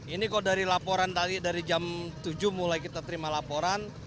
ini kok dari laporan tadi dari jam tujuh mulai kita terima laporan